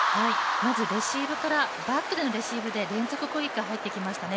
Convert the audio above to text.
まずレシーブからバックでのレシーブで連続ポイントが入ってきましたね。